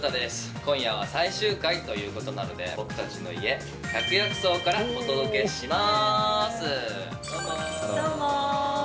今夜は最終回ということなので、僕たちの家、百薬荘からお届けします。